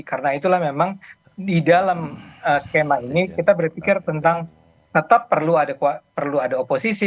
karena itulah memang di dalam skema ini kita berpikir tentang tetap perlu ada oposisi